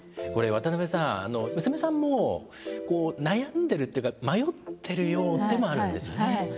これ渡辺さん娘さんも悩んでるというか迷ってるようでもあるんですよね。